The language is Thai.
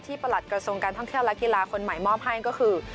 ประหลัดกระทรวงการท่องเที่ยวและกีฬาคนใหม่มอบให้ก็คือ